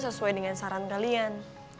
sesuai dengan saran kalian